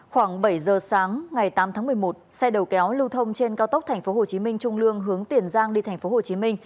khoảng bảy giờ sáng ngày tám tháng một mươi một xe đầu kéo lưu thông trên cao tốc tp hcm trung lương hướng tiền giang đi tp hcm